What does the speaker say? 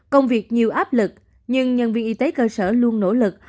công việc nhiều áp lực nhưng nhân viên y tế cơ sở luôn nỗ lực